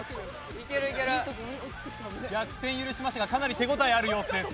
逆転を許しましたがかなり手応えある様子です